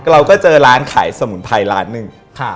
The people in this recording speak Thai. เราก็เจอร้านขายสมุนไพรร้านหนึ่ง